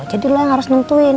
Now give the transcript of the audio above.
jadi lo yang harus nentuin